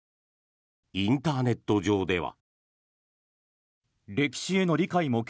インターネット上では。